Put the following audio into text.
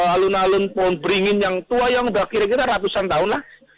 alun alun pohon beringin yang tua yang udah kira kira ratusan tahun lah